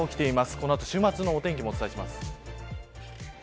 この後週末のお天気もお伝えします。